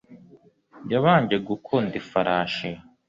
yabanje gukunda ifarashi